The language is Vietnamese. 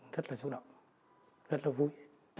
rất là chúc động rất là vui